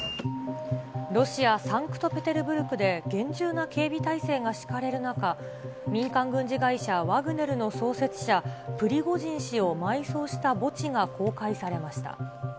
ロシア・サンクトペテルブルクで厳重な警備態勢が敷かれる中、民間軍事会社、ワグネルの創設者、プリゴジン氏を埋葬した墓地が公開されました。